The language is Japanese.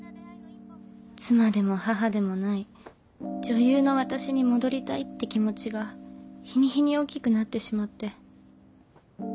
妻でも母でもない女優の私に戻りたいって気持ちが日に日に大きくなってしまって。